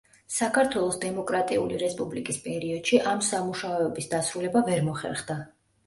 საქართველოს დემოკრატიული რესპუბლიკის პერიოდში ამ სამუშაოების დასრულება ვერ მოხერხდა.